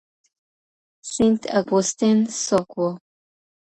سینټ اګوستین څوک و؟